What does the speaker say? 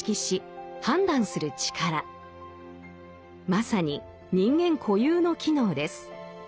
まさに人間固有の機能です。